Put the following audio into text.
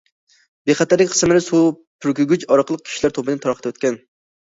بىخەتەرلىك قىسىملىرى سۇ پۈركۈگۈچ ئارقىلىق كىشىلەر توپىنى تارقىتىۋەتكەن.